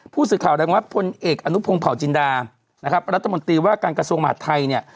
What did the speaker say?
ผู้สื่อข่าวแรงว่าพลเอกอนุพงศ์เผาจินดานะครับรัฐมนตรีว่าการกระทรวงมหาดไทยเนี่ย